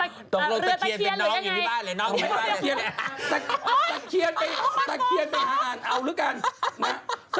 ไม่ต้องมาตามไม่เคยมีผัวแกก